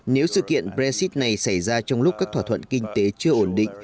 nếu sự kiện brexit này xảy ra trong lúc các thỏa thuận kinh tế chưa ổn định